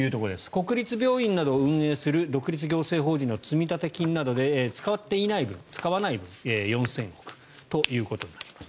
国立病院などを運営する独立行政法人の積立金などで使っていない分使われていない分およそ４０００億円となります。